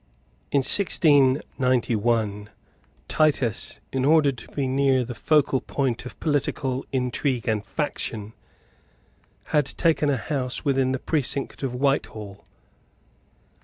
In 1691, Titus, in order to be near the focal point of political intrigue and faction, had taken a house within the precinct of Whitehall.